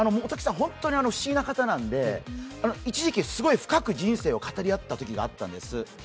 本当に不思議な方なんで、一時期、本当に深く人生を語り合ったことが合ったんです。